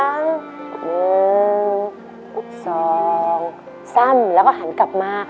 หนึ่งสองสามแล้วก็หันกลับมา